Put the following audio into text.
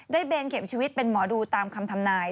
เบนเข็มชีวิตเป็นหมอดูตามคำทำนาย